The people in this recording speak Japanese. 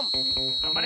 がんばれ！